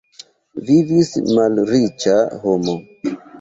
Vivis malriĉa homo.